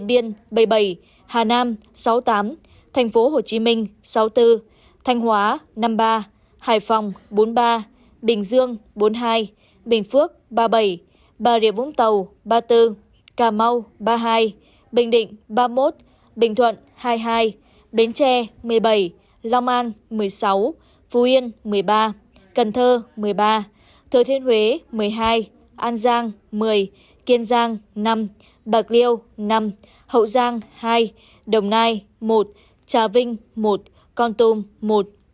bình thuận hai mươi hai bến tre một mươi bảy long an một mươi sáu phú yên một mươi ba cần thơ một mươi ba thơ thiên huế một mươi hai an giang một mươi kiên giang năm bạc liêu năm hậu giang hai đồng nai một trà vinh một con tôm một